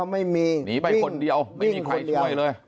หนีหนีไปคนเดียวไม่มีใครช่วยเลย